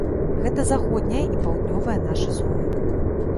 Гэта заходняя і паўднёвая нашы зоны.